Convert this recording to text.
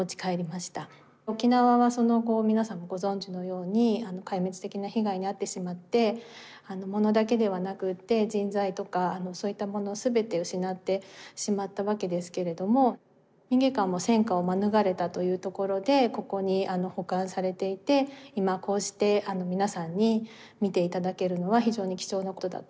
沖縄はその後皆さんもご存じのように壊滅的な被害に遭ってしまって物だけではなくって人材とかそういったものを全て失ってしまったわけですけれども民藝館も戦火を免れたというところでここに保管されていて今こうして皆さんに見て頂けるのは非常に貴重なことだと思っています。